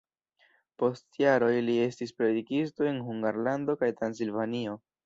Post jaroj li estis predikisto en Hungarlando kaj Transilvanio.